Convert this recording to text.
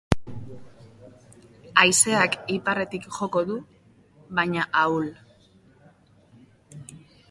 Haizeak iparretik joko du, baina ahul.